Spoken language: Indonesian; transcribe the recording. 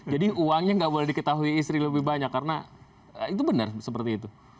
jadi uangnya tidak boleh diketahui istri lebih banyak karena itu benar seperti itu